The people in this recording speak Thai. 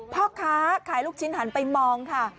พ่อค้าขายลูกชิ้นหันไปมองค่ะ